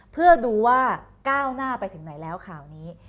เพื่อดูว่าก้าวหน้าไปถึงไหนแล้วข่าวนี้